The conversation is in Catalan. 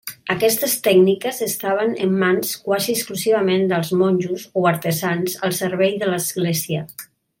Aquestes tècniques estaven en mans quasi exclusivament dels monjos o artesans al servei de l'església.